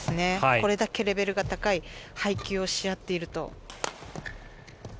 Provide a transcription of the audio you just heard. これだけレベルが高い配球をし合っていると。